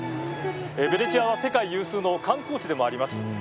ベネチアは世界有数の観光地でもあります。